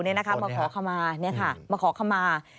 ต้นกล้ามปูมาขอเข้ามา